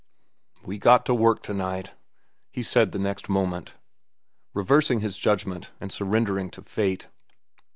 "We got to work to night," he said the next moment, reversing his judgment and surrendering to fate.